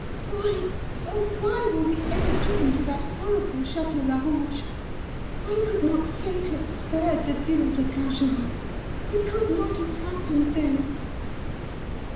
Why, oh, why were we ever driven to that horrible Château Larouge! Why could not fate have spared the Villa de Carjorac? It could not have happened then!"